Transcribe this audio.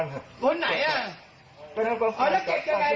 ไม้ฟังผมนี่